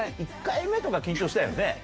１回目とか緊張したよね。